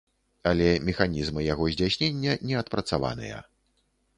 Але механізмы яго здзяйснення не адпрацаваныя.